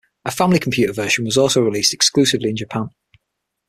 A Family Computer version was also released exclusively in Japan.